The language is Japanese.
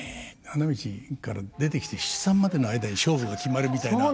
花道から出てきて七三までの間に勝負が決まるみたいな。